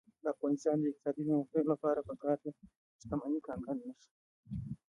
د افغانستان د اقتصادي پرمختګ لپاره پکار ده چې شتمني کنګل نشي.